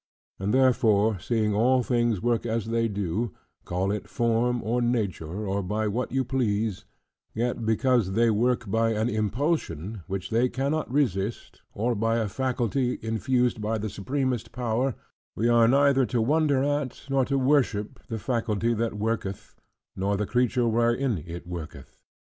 And therefore seeing all things work as they do, (call it by Form, or Nature, or by what you please) yet because they work by an impulsion, which they cannot resist, or by a faculty, infused by the supremest power; we are neither to wonder at, nor to worship, the faculty that worketh, nor the creature wherein it worketh.